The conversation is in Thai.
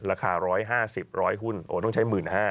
ราคา๑๕๐ิ่นหุ้นโอ้ยต้องใช้๑๕๐๐๐